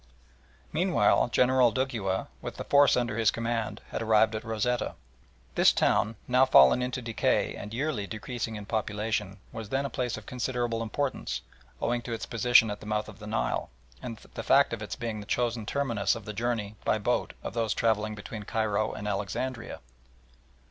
Meanwhile General Dugua, with the force under his command, had arrived at Rosetta. This town, now fallen into decay and yearly decreasing in population, was then a place of considerable importance, owing to its position at the mouth of the Nile, and the fact of its being the chosen terminus of the journey by boat of those travelling between Cairo and Alexandria.